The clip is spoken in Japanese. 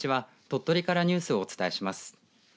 鳥取からニュースをお伝えします。